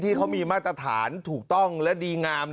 ที่เขามีมาตรฐานถูกต้องและดีงาม